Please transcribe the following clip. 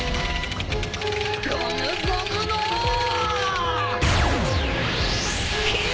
ゴムゴムのー！